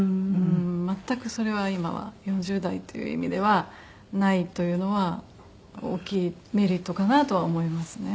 全くそれは今は４０代という意味ではないというのは大きいメリットかなとは思いますね。